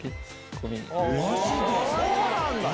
そうなんだね！